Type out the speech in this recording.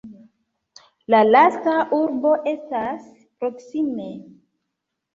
La lasta urbo estas proksime.